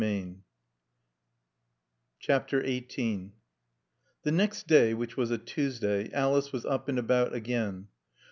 said the Vicar. XVIII The next day, which was a Tuesday, Alice was up and about again.